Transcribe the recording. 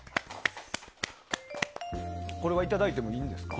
これはいただいてもいいんですか？